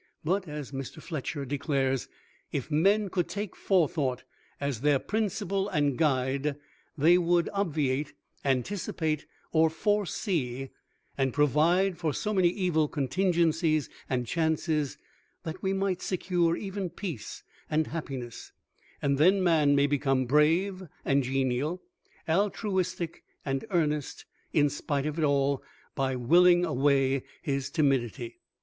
But as Mr. FLETCHER declares, if men could take Forethought as their principle and guide they would obviate, anticipate or foresee and provide for so many evil contingencies and chances that we might secure even peace and happiness, and then man may become brave and genial, altruistic and earnest, in spite of it all, by willing away his Timidity.